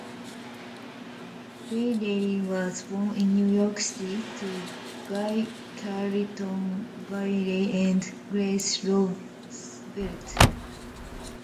Bayley was born in New York City, to Guy Carlton Bayley and Grace Roosevelt.